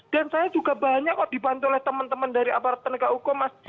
dan saya juga banyak dibantu oleh teman teman dari aparten keukuman